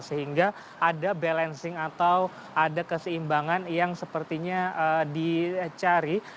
sehingga ada balancing atau ada keseimbangan yang sepertinya dicari